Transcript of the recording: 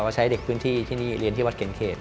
ใช้เด็กพื้นที่เรียนที่วัดเกร็นเขต